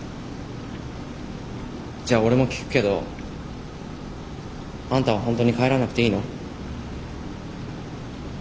じゃあ俺も聞くけどあんたは本当に帰らなくていいの？